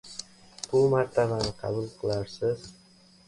bu martabani qabul qilarsiz.